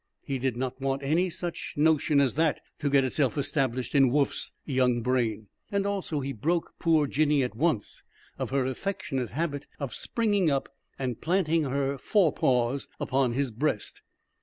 He did not want any such notion as that to get itself established in Woof's young brain. Also, he broke poor Jinny at once of her affectionate habit of springing up and planting her forepaws upon his breast.